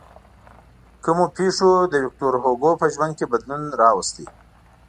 کومو پېښو د ویکتور هوګو په ژوند کې بدلون راوست.